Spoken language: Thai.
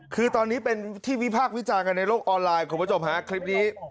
คือตอนนี้เป็นที่วิพากษ์วิจารณ์กันในโลกออนไลน์คุณผู้ชมฮะคลิปนี้